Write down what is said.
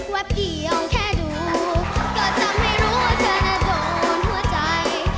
วับกี้เอาแค่ดูก็จำให้รู้ว่าเธอน่ะโดนหัวใจ